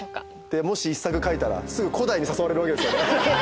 でもし１作書いたらすぐ古代に誘われるわけですよね。